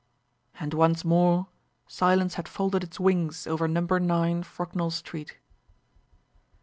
And once more silence had folded its wings over Number 9, Frognall Street.